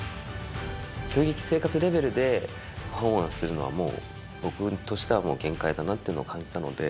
競技生活レベルでパフォーマンスするのは、もう僕としてはもう限界だなというのを感じたので。